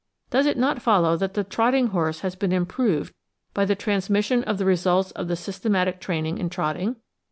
Does it not follow that the trotting horse has been improved by the transmission of the results of the system atic training in trotting?